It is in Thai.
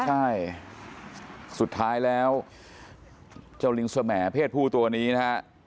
ใช่สุดท้ายแล้วเจ้าลิงสมเพศผู้ตัวนี้นะฮะ